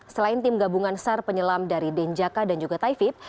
selain tim gabungan sar penyelam dari denjaka dan juga taifib